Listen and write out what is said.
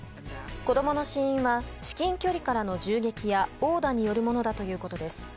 子供の死因は至近距離からの銃撃や殴打によるものだということです。